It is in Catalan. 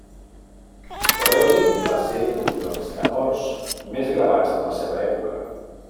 Corelli va ser un dels tenors més gravats de la seva època.